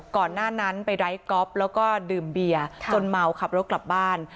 ก่อนหน้านั้นไปไร้ก๊อฟแล้วก็ดื่มเบียร์จนเมาขับรถกลับบ้าน